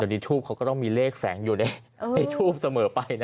แต่นี่ทูปเขาก็ต้องมีเลขแฝงอยู่ในทูบเสมอไปนะ